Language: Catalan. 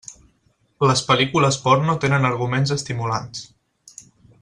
Les pel·lícules porno tenen arguments estimulants.